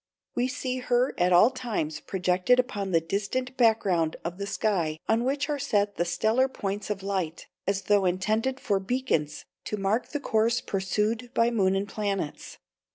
We see her at all times projected upon the distant background of the sky on which are set the stellar points of light, as though intended for beacons to mark the course pursued by moon and planets.